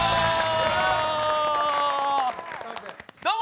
どうも！